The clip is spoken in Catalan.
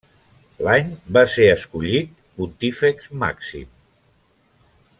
L'any va ser escollit Pontífex Màxim.